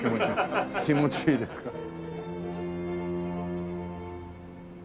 気持ちいいですから。